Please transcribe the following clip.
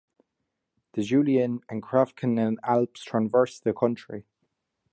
The Julian and Karavanken Alps traverse the country.